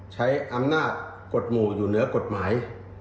ใช้อำนาจกฎหมู่อยู่เหนือกฎหมาย